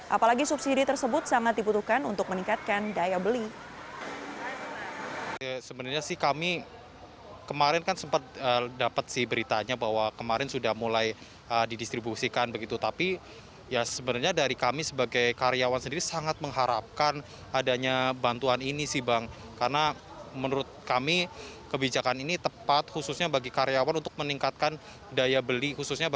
apalagi subsidi tersebut sangat dibutuhkan untuk meningkatkan daya beli